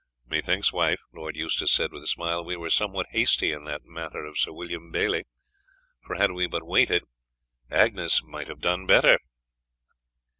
"Methinks, wife," Lord Eustace said with a smile, "we were somewhat hasty in that matter of Sir William Bailey, for had we but waited Agnes might have done better."